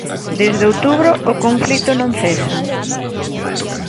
Desde outubro o conflito non cesa.